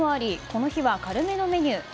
この日は軽めのメニュー。